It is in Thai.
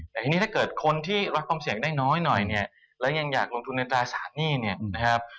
แต่ทีนี้ถ้าเกิดคนที่รับความเสี่ยงได้น้อยหน่อยเนี่ยแล้วยังอยากลงทุนในตราสารหนี้เนี่ยนะครับ